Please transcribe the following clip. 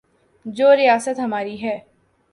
جو ریاست ہماری ہے۔